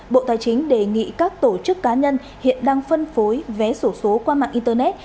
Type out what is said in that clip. bộ tài chính đề nghị các tổ chức cá nhân hiện đang phân phối vé sổ số qua mạng internet